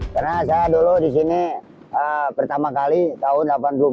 karena saya dulu di sini pertama kali tahun seribu sembilan ratus delapan puluh empat